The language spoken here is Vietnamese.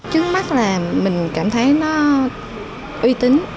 chứng mắt là mình cảm thấy nó uy tín